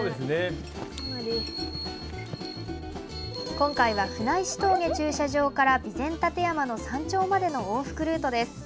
今回は、舟石峠駐車場から備前楯山の山頂までの往復ルートです。